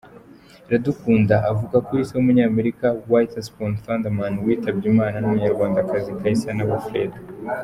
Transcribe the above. Iradukunda avuka kuri se w’Umunyamerika Witherspoon Thurman witabye Imana n’Umunyarwandakazi Kayisanabo Freda.